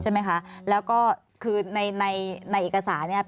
ใช่ไหมคะแล้วก็คือในในเอกสารเนี่ย